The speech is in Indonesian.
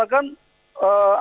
ada yang berpikir bahwa